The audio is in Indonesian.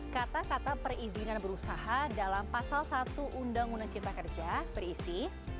kata kata perizinan berusaha dalam pasal satu undang undang cipta kerja berisi